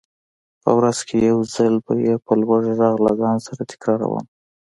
په ورځ کې يو ځل به يې په لوړ غږ له ځان سره تکراروم.